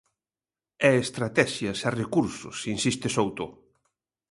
E estratexias e recursos, insiste Souto.